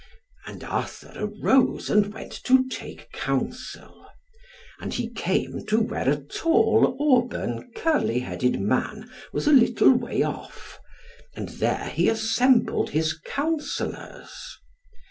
And Arthur arose and went to take counsel. And he came to where a tall auburn curly headed man was a little way off, and there he assembled his counsellors.